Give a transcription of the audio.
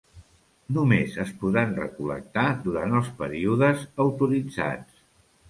Només es podran recol·lectar durant els períodes autoritzats.